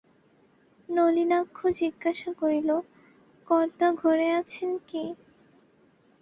নলিনাক্ষ জিজ্ঞাসা করিল, কর্তা ঘরে আছেন কি?